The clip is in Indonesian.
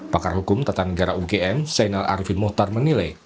pakar hukum tata negara ugm zainal arifin mohtar menilai